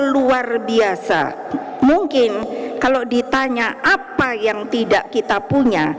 luar biasa mungkin kalau ditanya apa yang tidak kita punya